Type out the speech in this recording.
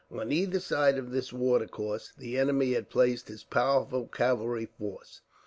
On either side of this watercourse the enemy had placed his powerful cavalry force.